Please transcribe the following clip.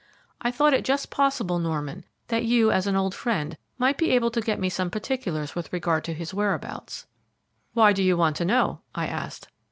I thought it just possible, Norman, that you, as an old friend, might be able to get me some particulars with regard to his whereabouts." "Why do you want to know?" I asked.